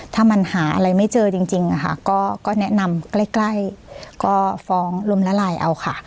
ถ้ามันหาอะไรไม่เจอจริงก็แนะนำใกล้ก็ฟ้องลมละลายเอาค่ะ